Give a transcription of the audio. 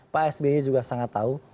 pak sby juga sangat tahu